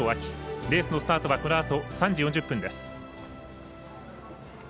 レースのスタートはこのあと３時４０分です。